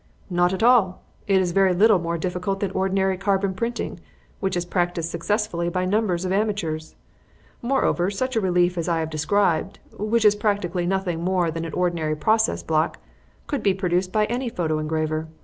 "Not at all; it is very little more difficult than ordinary carbon printing, which is practised successfully by numbers of amateurs. Moreover, such a relief as I have described which is practically nothing more than an ordinary process block could be produced by any photo engraver.